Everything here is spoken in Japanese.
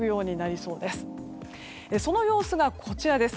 その様子が、こちらです。